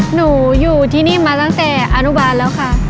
อยู่ที่นี่มาตั้งแต่อนุบาลแล้วค่ะ